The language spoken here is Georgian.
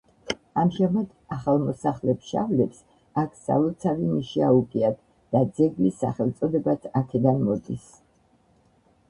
ამჟამად ახალმოსახლე ფშავლებს აქ სალოცავი ნიში აუგიათ და ძეგლის სახელწოდებაც აქედან მოდის.